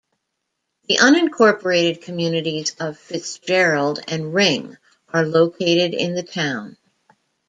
The unincorporated communities of Fitzgerald and Ring are located in the town.